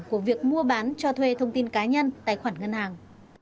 của việc mua bán cho thuê thông tin cá nhân tài khoản ngân hàng